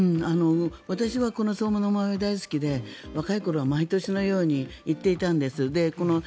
私はこの相馬野馬追、大好きで若い頃は毎年のように行っていたんです。